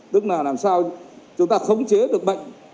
tức là làm sao chúng ta khống chế được bệnh